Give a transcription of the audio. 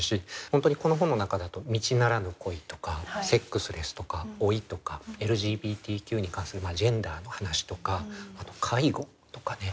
本当にこの本の中だと道ならぬ恋とかセックスレスとか老いとかＬＧＢＴＱに関するジェンダーの話とかあと介護とかね。